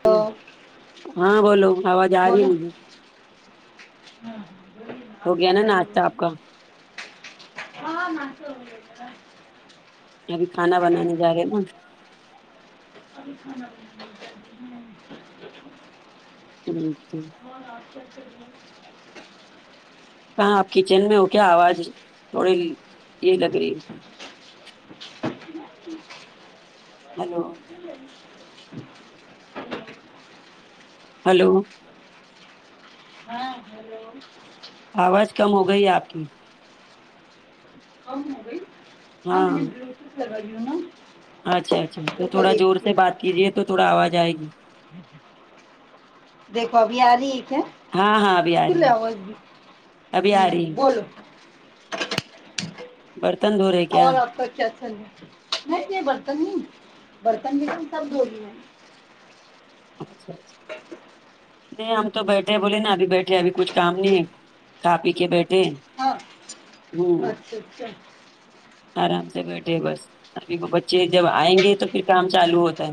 hello تو ہاں بولو آواز آ رہی ہے بولو مجھے ہو گیا نا ناشتہ آپ کا [unintelligible] ہاں ہ مات رو ابھی کھانا بنانے جا رہے ہیں نا [unintelligible] جی تو ہاں آپ سے آچچ کہاں آپ کچن میں ہو کیا آواز تھوڑی یہ لگ رہی ہے [unintelligible] ہیلو ج ہیلو ہاں ہیلو آواز کم ہو گئی آپ کی کم ہو گئی ہاں میں نے بلوٹوتھ لگائی ہوں نا اچھا اچھا تو رکو تھوڑا زور دیکھتی سے بات ہوں کیجیے تو تھوڑا آواز آئے گی [unintelligible] دیکھو ابھی آ رہی ہے ک ہاں ہاں ابھی آ فل رہی ہے وائز بھی ابھی ہ آ رہی ہے بولو برتن دو اور آپ کا کیاچل رہا ہے میں کہ برتن ہی برتن جیسے سب دھو دیے ہیں اچھا اچھا نہیں ہم تو بیٹھے بولے نا ابھی بیٹھے ابھی کچھ کام نہیں ہے کھا پی کے بیٹھے ہاں ہوں اچھا اچھا آرام سے بیٹھے بس ابھی وہ بچے جب آئیں گے تو پھر کام چالو ہوتا ہے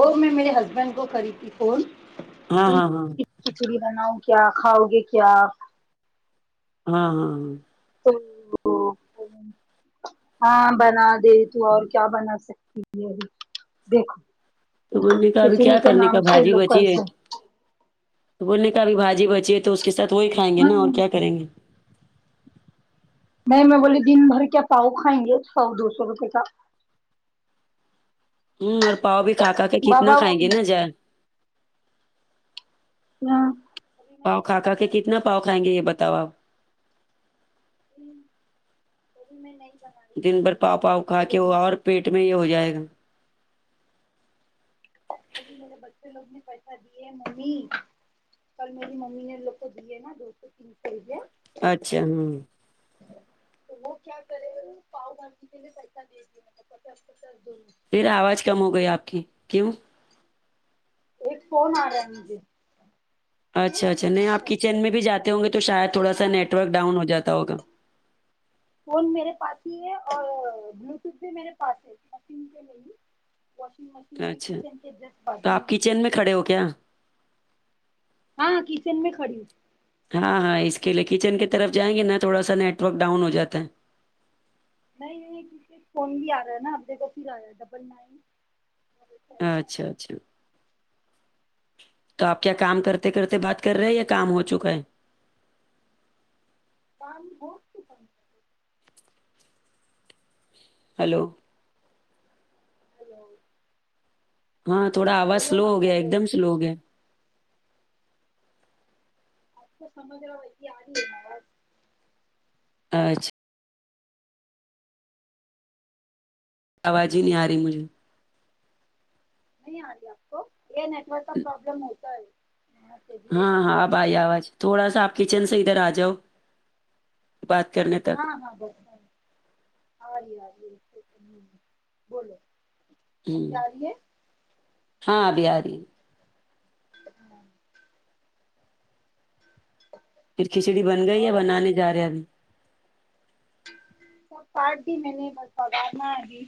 اور میں میرے ہسبینڈ کو کری تھی فون ہاں تم ہاں ہاں کھچڑی بناؤ کیا کھاؤ گے کیا ہاں ہاں ہاں تو ہاں بنا دے تو اور کیا بنا سکتی یہ بھی دیکھو تو بولنے کا ابھی کھچڑی کیا کے کرنے کا نام سے بھجی لوگ بچی ہے کیسے تو بولنے کا ابھی باجی بچی ہے تو اس کے سات وہی کھائیں گے ہاں نا اور کیا کریں گے نہیں میں بولیے دن بھر کیا پاؤ کھائیں گے سو دو سو روپے کا ہوں اور پاؤ بھی کھا کھا کا کے کتنا بابا کھائیں گے نا ہاں جار نا پاؤ کھا کھا کے کتنا پاؤ کائیں گے یہ بتاؤ آپ وہ میں نہیں بنا رہی تھی دن بھر بھائی پاؤ میرے پاؤ کھا بچے کے لوگ ہوا اور نے پیٹ میں یہ ہو جائے گا ابھی میرے بچے لوگ نے پیسہ دیے ہیں ممی کل میری ممی نے لوگ کو دیے نا دو سو تین سو روپیہ [unintelligible] اچھا ہوں [unintelligible] تو وہ کیا کرے پاؤ بھاجی کے لیے پیسہ دیتی مطلب پچاس پچاس دو پھر آواز کم ہو گئی آپ کی کیوں ایک فون ارہا مجھے اچھا اچھا نہیں آپ کچن فون میں بھی جاتے ہوں گے تو شاید تھوڑا سا نیٹ ورک ڈاؤن ہو جاتا ہوگا فون میرے پاس ہی ہے اور بلوٹوتھ بھی میرے پاس ہے اس مشین کے لیے ہی واشنگ مشین میں اچھا کچن کے جسٹ بازو تو میں آپ ہی ن ہے کچن کھڑے ہو کیا ہاں کچن میں کہڑی ہو ہاں ہاں اس کے لیے کچن کی طرف جائیں گے نا تھوڑا سا نیٹ ورک ڈاؤن ہو جاتا ہے نہیں نہیں کیونکہ فون بھی آ رہا ہے نا آپ د یکھو پھر آا ہے ڈبل نائن اچھا اچھا تو آپ کیا کام کرتے کرتے بات کر رہے ہیں یا کام ہو چکا ہے کام کو ہیلو ہیلو ہاں تھوڑا آواز بولو سلو نا ہو گیا ایک ہیلو دم سلو ہوگایا ہے [unintelligible] تو سمجھ رہا آ اچھا آواز ہی نہیں آ رہی مجھے نہیں آگیا آپ کو یہ نیٹورک کا پرابلم ہوتا ہے بھی ہاں ہاں اب ائی اواز تھوڑا سا آپ کچن سے ادھر ا جاؤ بات کرنے تک ہاں ہاں آگی آ رہے آرہے رہ بولو ہو ابھی آ رہی ہے ہاں آبھی آری ہے پھر کھچڑی بن گئی اور یا آپ کے بنانے جاے بچے ابھی سب سٹ بھی میں نے بس بگار میں آگی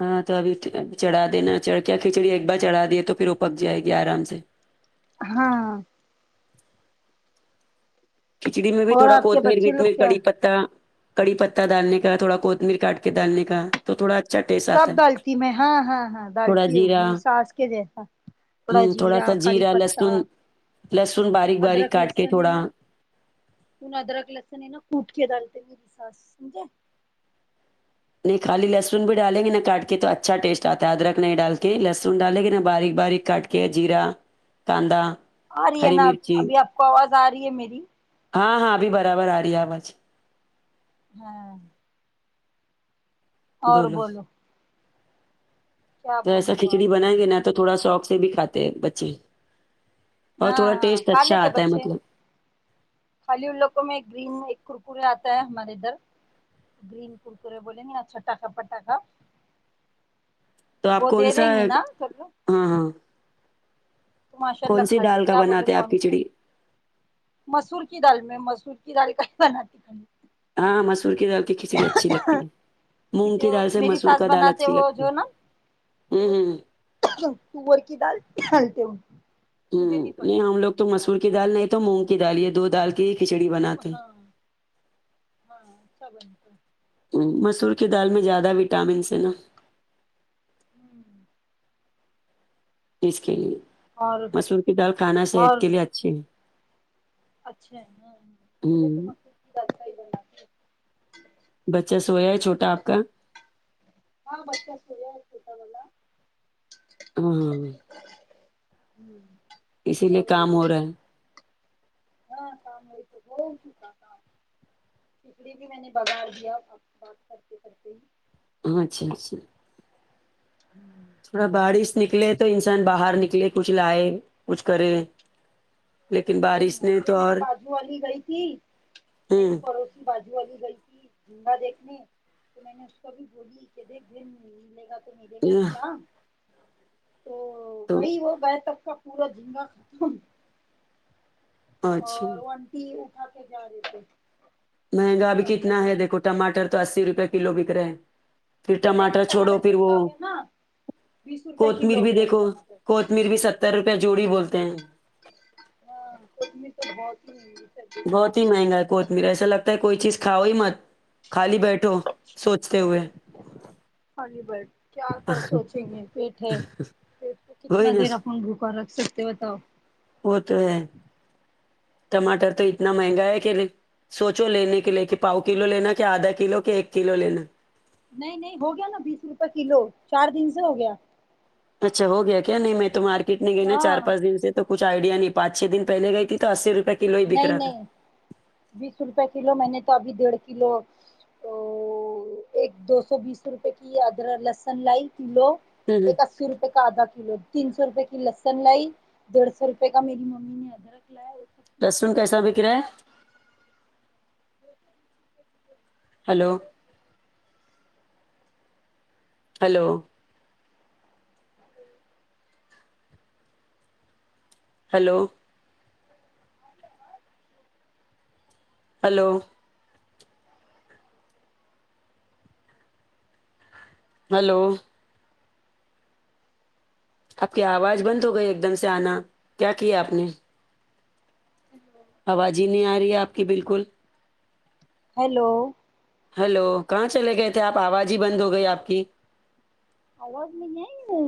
ہاں تو ابھی چڑھ دیناڑ کیا کھچڑی ایک بار چڑھا دیے تو پھر وہ پک جائے گی آرام سے ہاں کھچڑی میں بھی اور تھوڑا آپ کے کوتمیر بچے لوگ وتمییر کیا کڑی پتہ کڑی پہتا ڈالنے کا تھوڑا کوتمیر کاٹ کے ڈالنے کا تو تھوڑ اچھا ٹیسٹ سب آتا ہے دلتی میں ہاں ہاں ہاں تھوڑا دلتی ہو م زیرہ سس کے جسا تھوڑا ہوں جرا سا کرڑی جیرا پتتا لہسن لہسن باریک باریک ادرک کاٹ کے لسن ہے تھوڑا نا پ ادرک لسن ہے نا کٹ کے ڈالتے میری ساس سمھے نہیں خالی لہسن بھی ڈالیں گے نا کاٹ کے تو اچھا ٹیسٹ آتا ہے ادرک نہیں ڈال کے لہسن ڈالے گی نا باریک باریک کاٹ کے کہ جیرا کاندا آ رہی ہے ہری نا مرچی ابھی آپ کو آواز آ رہی ہے میری ہاں ہاں ابھی برابر آ رہی ہے اواز ہاں اور بولو کیا تو بول ایسا رہے ہو کھچڑی آپ بنائیں گے نا تو تھوڑا شوق سے بھی کھاتے بچے اور ہاں تھوڑا ہاں ٹیسٹ کھا اچھا لیتے آتا ہے بچے مطلب خالی ان لوگوں میں ایک گرین ایک کرکرے آتا ہے ہمارے ادھر گین کرکورے بولنگ نا آچھاٹکا پٹاکا تو آپ وہ دے کون سا دیں گے نا سب لوگ ہاں ہاں تو ماشاء اللہ کون سی کھاتے دال کا کیا بولے بناتے ہیں آپ کون سا کھچڑی مسور کی دال میں مسور کی دال کہیں بناتی کی ہاں مسور کی دال کھچڑی اچھی لگتی ہے مونگ کیونکہ کی وہ دال سے میری مسور ساس کا دال بناتے اچھی وہ لگتی جو ہے نا ہوں تو وہ ہوں تور کی دال ڈالتے ہو ہم نہیں ہم لوگ تو مسور کی کا دال نہیں تو مونگ کی دال یہ دو دال کی ہی کھچڑی بنا ہاں ہاں سا بنتا مسور کی دال میں زیادہ وٹامنس ہے نا ہوں اس کے لیے اور مسور کی دال کھانا صحت اور کے لیے اچھی ہے اچھے ہا ہا اس لیے تو ہوں مصور کی دال کا ہی بناتی ہم بچہ سویا ہے چھوٹا آپ کا ہاں بچہ سویا ہے چھوٹا والا آ ہاں ہاں ہوں اسی لیے اور کام بولو ہو رہا ہے ہاں کام ہو تو ہو اس لیے بھی میں نے بگار دیا آپ بات کرتے کرتے ہی ہاں اچھا اچھا ہوں تھوڑا بارش نکلے تو انسان باہر نکلے کچھ لائے کچھ کرے لیکن کوئی بارش نے ن تو میرے اور بجو والی گئی تھی میری ہوں پڑوسی بجو والی گئی تھی جگا دیکھنے تو میں نے اس کو بھی بولی کہ دیکھ بہن ملے گا تو میرے لیے یہ بھی لا تو تو گئی وہ گایہ تب تک کا پورا جنگا ختم اچھا اور وہ اننٹی اٹھا کے جا رہے تھے مہنگا اب کتنا ہے کٹورا دیکھو ٹماٹر تو اسی روپئے کلو بک رہے ہے پھر نہیں ٹماٹر نہیں چھوڑو پھر وہ سستا ہو گیا نا بیس روپے کوتمیر کلو ہو بھی گیا ابھی دیکو ٹماٹر کوتمیر بھی ستر روپئے جوڑی بولتے ہیں ہاں کوتمر تو بہت ہی چل رہی بہت ہی مہنگا ہے کوتمیر ایسا لگتا ہے کوئی چیز کھؤ ہی مت خالی بیٹھو سوچتے ہوئے خالی بٹ کیاار پر سوچیں گے بییٹے ہے پیٹ کو وہی کتنا نا دیر اپن بھوکا رکھ سکتے بتاؤ وہ تو ہے ٹماٹر تو اتنا مہنگا ہے کہ لیے سوچو لینے کے لیے کہ پاؤ کلو لینا کہ آدھا کلو کہ ایک کلو لینا نہیں نہیں ہو گیا نا بیس روپئے کلو چار دن سے ہو گیا اچھا ہو گیا کیا نہیں میں تو مارکیٹ میں گئی نا ہاں چار پانچ دن سے توچھ آئیڈیا نہیں پانچ چھ دن پلے گ تھی تو اسی روپئے کے نہیں نہیں بیس روپے کلو میں نے تو ابھی ڈیڑھ کلو و ایک دو سو بیس روپے کی ادرک لسن لائی کلو ہوں ہوں ایک اسی روپے کا آدا کلو تین سو روپے کی لسن لائی ڈڑھ سو روپے کا میری ممی نے ادرک لایا سب پیس لسن کے کیسا رکھی بک رہا ہے hello hello hello hello hello آپ کی آواز بند ہو گئی ایک دم سے آنا کیا کیا آپ نے [unintelligible] آواز ہی نہیں آ رہی ہے آپ کی بالکل ہیلو ہیلو کہاں چلے گئے تھے آپ آواز ہی بند ہو گئی آپ کی آواز نئی آئی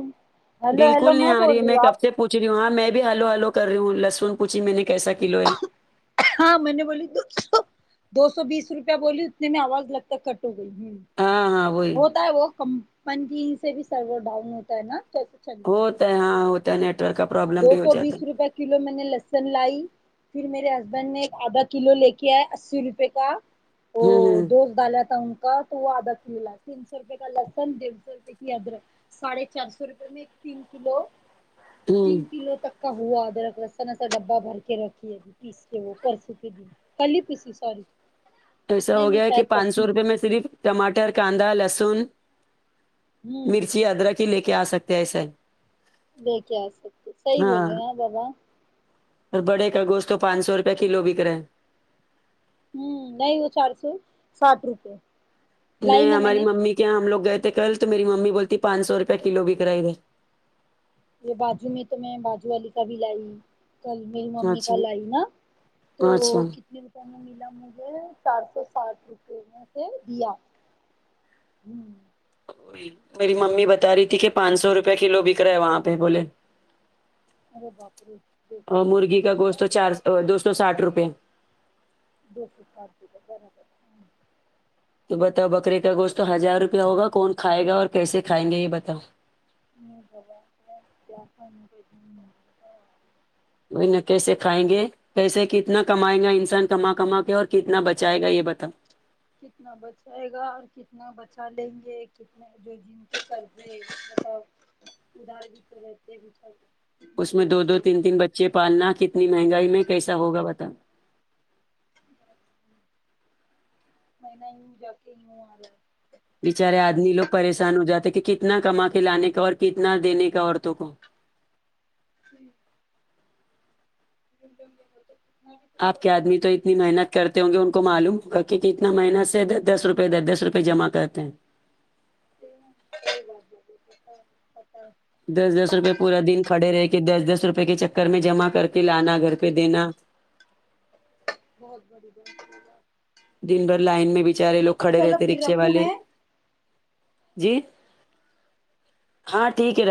ہیلو ہیلو میں بول رہی ہوں آپ پوچ رہی ہوں ہاں میں بھی ہیلو ہیلو کر رہی ہوں لسن پوچھی میں نے کیسا کلو ہے ہاں م نے بولی دو دو سو بیس روپیہ بولی اتنے میں آواز لگتا کٹ ہو گئی ہوں ہاں ہاں وہی ہوتا ہے وہ کمپنی سے بھی سرور ڈاؤن ہوتا ہے نا تو ہوتا ہے ہاں ہوتا ہے نیٹ ورک کا پروابلم دو بھی سو ہوجاتا ہے بیس روپئے کلو میں نے لسن لائی پھر میرے ہسبینڈ نے ایک آدھا کلو لے کے آے اسی روپے کا ھمم وہ ھمم ڈالا تھا ان کا تو وہ آدا کولا تین سو روپے کا لسن ڈڑھ سو روپے کی ادرک ساڑھے چار سو روپے میں ایک تین کلو ہوں تین کلو تک کا ہوا ادرک لہسن ایسا ڈبا بھر کے رکھی ابھی پیس وہ پرسوں کے دن کل ہی پیسی سوری ایسا نہیں ہو نہیں گیا کہ شاید پانچ پرسوں سو ہی روپے پیسی میں صرف ٹماٹر کاندا لہسن ہوں مرچی ادرک ہی لے کے آ سکتے ہیں ایسا لے کے آ سکتے صحیح بولے ہاں بابا اور بڑے کا گوشت تو پانچ سو روپے کلو بک رہا ہے ہمم نہیں وہ چار سو ساٹھ روپئے نہیں ہماری ممی کیا ہم لوگ گئے تھے کل تو میری ممی بولتی پانچ سو روپے کلو بیک رہا ادھر یہ باجو میں تو میں باجو والی کا بھی لائی کل میری ممی کا لے اچھا آئی نا تو اچھا کتنے کتنے ملا مجھے چار سو ساٹھ روپے میں سے دیا ھمم میری ممی بتا رہی تھی کہ پانچ سو روپئے کلو بک رہا ہے وہاں پہ بولے ارے باپ رے دیکھ اور لسن مرغی کا کبھی گوشت تو چار ادرک دو سو ساٹھ روپئے دو سو سات روپئے برابر تو بتاؤ بکرے کا گوشت تو ہزار روپیہ ہوا کون کھائے گا اور کیسے کھائیں گے یہ بتاؤ [unintelligible] وہی نا کیسے کھائیں گے پیسے کتنا کمائیں گا انسان کما کما کے اور کتنا بچائے گا یہ بتاؤ کتنا بچائے گا اور کتنا بچا لیں گے کتنے جو جن کے کرتے مطلب ادہار بھی تو رہتے کتنے اس میں لوگ دو دو کو تین تین بچے پالنا ا تنی مہنگائی میں کیسا ہوگا بتاؤ [unintelligible] مہینہ یوں جا کے یوں ا رہا ہے بچارے آدمی لوگ پریشان ہو جاتے کہ کتنا کما کے لانے کا اور کتنا دینے کا عورتوں کو صحیح [unintelligible] آپ کے آدمی بس تو اتنی نہیں، محنت کرتے ہوں گے ان کو معلوم بلکہ کتنا محنت سے دس دس روپئے دس دس روپئے جمع کرتے ہیں [unintelligible] دس دس روپئے پورا دن کھڑے رہ کے دس دس روپے کے چکر میں جمع کر کے لانا گھر پہ دینا بہت بڑی بات ہے [unintelligible] دن بھر لائن میں بچارے لوگ ٹھیک ہے کھڑے چلو رہتے پھر رکشے رکھوں والے میں جی ہاں ٹھیک ہے ر